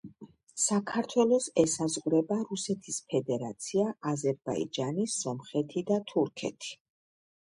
საქართველოს ესაზღვრება რუსეთის ფედერაცია აზერბაიჯანი სომხეთი და თურქეთი